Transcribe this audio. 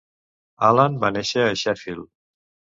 Allan va néixer a Sheffield.